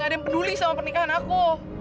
ada yang peduli sama pernikahan aku